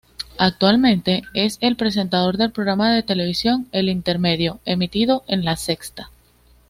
Actualmente es el presentador del programa de televisión "El intermedio", emitido en La Sexta.